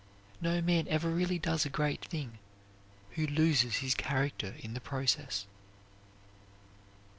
No man ever really does a great thing who loses his character in the process.